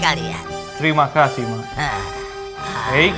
dan hari ini berakhir